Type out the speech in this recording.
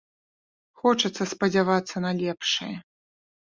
Хочацца спадзявацца на лепшае.